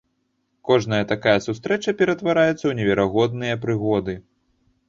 Кожная такая сустрэча ператвараецца ў неверагодныя прыгоды!